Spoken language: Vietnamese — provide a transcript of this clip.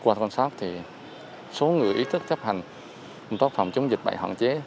qua thông xác thì số người ý thức chấp hành phòng chống dịch bệnh hoạn chế